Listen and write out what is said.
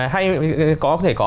hay có thể có